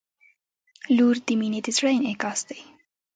• لور د مینې د زړه انعکاس دی.